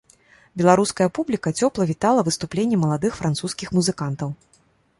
Беларуская публіка цёпла вітала выступленне маладых французскіх музыкантаў.